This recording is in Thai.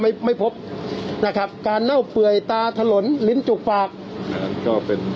ไม่ไม่พบนะครับการเน่าเปื่อยตาถลนลิ้นจุกปากอ่าก็เป็น